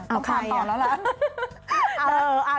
ต้องผ่านตอนแล้วละ